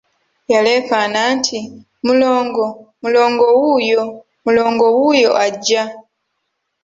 Yaleekaana nti, Mulongo, Mulongo wuuyo, Mulongo wuuyo ajja!